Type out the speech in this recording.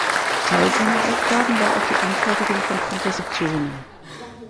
Teil seiner Aufgaben war auch die Anfertigung von Kompositionen.